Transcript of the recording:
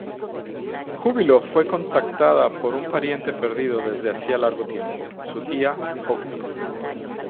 Júbilo fue contactada por un pariente perdido desde hacía largo tiempo, su tía Hope.